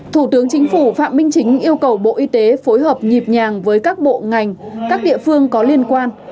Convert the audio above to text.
thủ tướng chính phủ phạm minh chính yêu cầu bộ y tế phối hợp nhịp nhàng với các bộ ngành các địa phương có liên quan